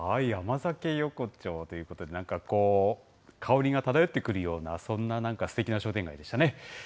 甘酒横丁ということで、なんかこう、香りが漂ってくるような、そんなすてきな商店街でしたね。